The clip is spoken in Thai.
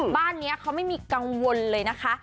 บ้านนี้เขาไม่มีกังวลเลยนะคะ